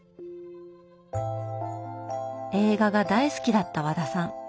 映画が大好きだった和田さん。